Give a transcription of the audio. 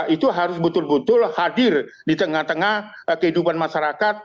itu harus betul betul hadir di tengah tengah kehidupan masyarakat